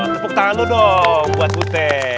tepuk tangan lu dong buat butet